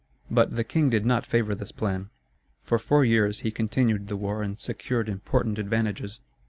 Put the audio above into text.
But the king did not favor this plan. For four years he continued the war and secured important advantages.